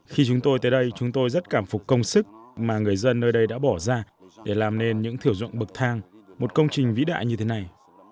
khi chúng tôi tới đây chúng tôi rất cảm phục công sức mà người dân nơi đây đã bỏ ra để làm nên những thửa ruộng bậc thang một công trình vĩ đại như thế này